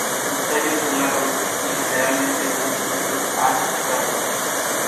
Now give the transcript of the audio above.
Sus tallos son largos y generalmente están sujetos al sustrato.